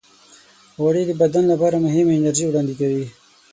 غوړې د بدن لپاره مهمه انرژي وړاندې کوي.